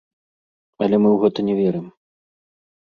Але мы ў гэта не верым.